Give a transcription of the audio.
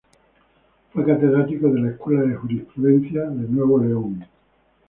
Fue catedrático de la Escuela de Jurisprudencia de Nuevo León.